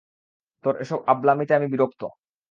তোর এসব আব্লামিতে আমি বিরক্ত!